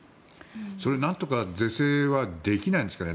何とか是正はできないんですかね。